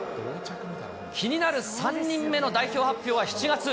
気になる３人目の代表発表は７月。